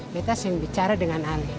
kita sing bicara dengan alis